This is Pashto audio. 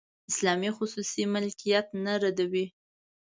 اسلام خصوصي ملکیت نه ردوي.